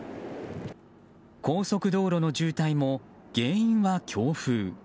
高速道路の渋滞も原因は強風。